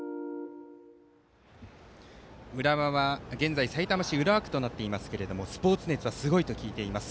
浦和は現在さいたま市浦和区となっていますがスポーツ熱はすごいと聞きます。